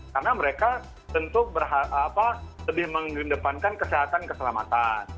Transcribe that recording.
karena mereka tentu lebih mengendepankan kesehatan keselamatan